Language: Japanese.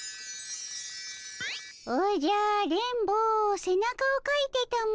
おじゃ電ボせなかをかいてたも。